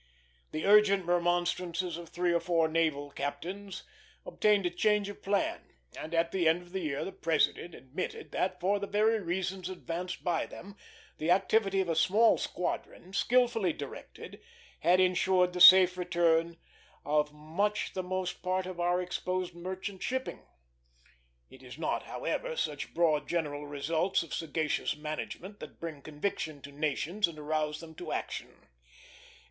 The urgent remonstrances of three or four naval captains obtained a change of plan; and at the end of the year the President admitted that, for the very reasons advanced by them, the activity of a small squadron, skilfully directed, had insured the safe return of much the most part of our exposed merchant shipping. It is not, however, such broad general results of sagacious management that bring conviction to nations and arouse them to action.